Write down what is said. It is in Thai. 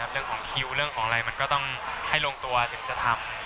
เรื่องของคิวเรื่องของอะไรมันก็ต้องให้ลงตัวถึงจะทำ